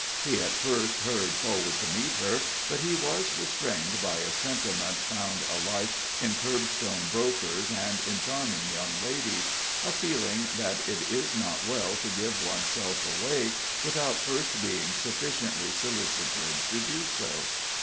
He at first hurried forward to meet her, but he was restrained by a sentiment found alike in curbstone brokers and in charming young ladies a feeling that it is not well to give one's self away without first being sufficiently solicited to do so.